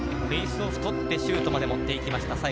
フェイスオフを取ってシュートまで持っていきました。